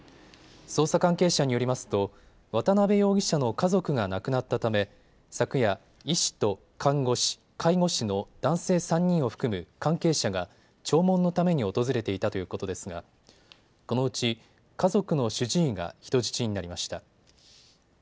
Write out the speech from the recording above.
捜査関係者によりますと渡邊容疑者の家族が亡くなったため昨夜、医師と看護師、介護士の男性３人を含む関係者が弔問のために訪れていたということですがこのうち家族の主治医が人質になりました。